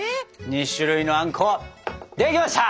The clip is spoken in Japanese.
２種類のあんこできました！